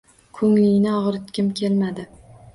Ko`nglingni og`ritgim kelmadi